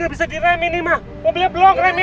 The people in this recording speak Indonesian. gak bisa direm ini mak mobilnya belum remnya